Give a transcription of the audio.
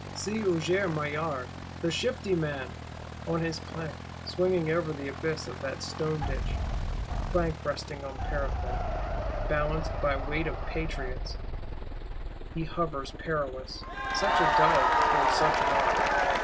See Huissier Maillard, the shifty man! On his plank, swinging over the abyss of that stone Ditch; plank resting on parapet, balanced by weight of Patriots,—he hovers perilous: such a Dove towards such an Ark!